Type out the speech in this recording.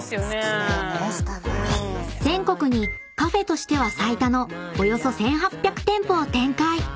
［全国にカフェとしては最多のおよそ１，８００店舗を展開］